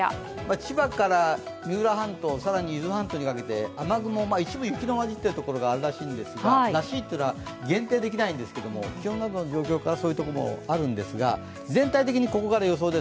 千葉から三浦半島、更に伊豆半島にかけて雨雲、一部雪の交じっているところがあるらしいんですが、らしいというのは限定できないんですけど気温などの状況から、そういうこともあるんですが、全体的にここから予想です。